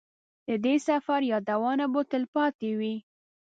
د دې سفر یادونه به تلپاتې وي.